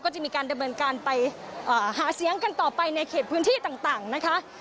ก็จะมีการดำเนินการไปหาเสียงกันต่อไปในเขตพื้นที่ต่างนะคะ